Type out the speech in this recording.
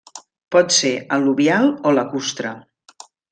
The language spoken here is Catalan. Pot ser al·luvial o lacustre.